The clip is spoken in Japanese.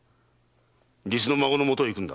実の孫のもとへ行くのだ。